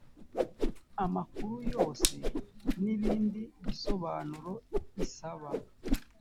amakuru yose n ibindi bisobanuro isaba